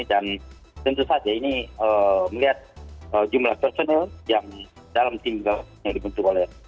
dan tentu saja ini melihat jumlah personal yang dalam tim ini dibentuk oleh